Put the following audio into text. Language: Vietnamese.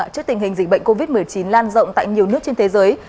trước tình hình dịch bệnh covid một mươi chín lan rộng tại nhiều nước trên thế giới